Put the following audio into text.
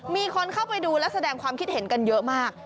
มีคนเข้าไปดูและแสดงความคิดเห็นกันเยอะมาก